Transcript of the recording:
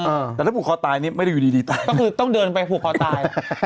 เออแต่ถ้าผูกคอตายนี่ไม่ได้อยู่ดีดีตายก็คือต้องเดินไปผูกคอตาย